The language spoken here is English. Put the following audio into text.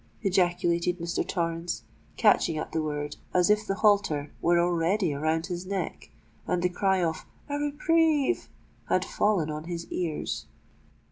ejaculated Mr. Torrens, catching at the word as if the halter were already round his neck and the cry of "a reprieve!" had fallen on his ears.